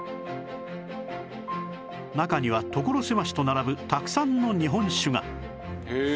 中には所狭しと並ぶたくさんの日本酒がへえ。